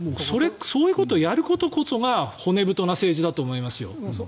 そういうことをやることこそが骨太な政治だと思いますよ。